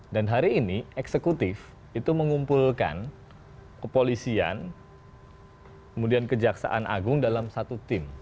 dan hari ini eksekutif itu mengumpulkan kepolisian kemudian kejaksaan agung dalam satu tim